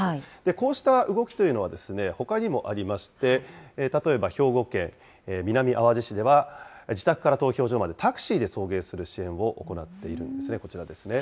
こうした動きというのは、ほかにもありまして、例えば、兵庫県南あわじ市では、自宅から投票所までタクシーで送迎する支援を行っているんですね、こちらですね。